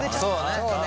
そうだね。